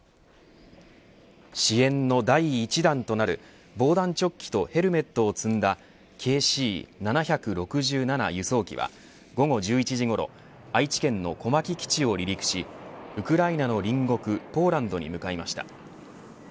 支援の第１弾となる防弾チョッキとヘルメットを積んだＫＣ−７６７輸送機は午後１１時ごろ愛知県の小牧基地を離陸しウクライナの隣国ポーランドに向かいました。